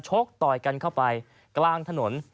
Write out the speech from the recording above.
กต่อยกันเข้าไปกลางถนน